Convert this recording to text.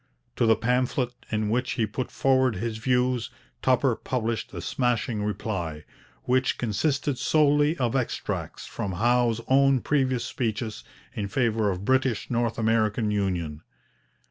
To the pamphlet in which he put forward his views Tupper published a smashing reply, which consisted solely of extracts from Howe's own previous speeches in favour of British North American union.